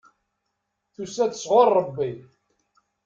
Tusa-d sɣur Rebbi.